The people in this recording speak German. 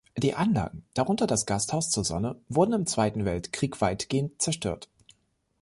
Die Anlagen, darunter das Gasthaus zur Sonne wurden im Zweiten Weltkrieg weitgehend zerstört.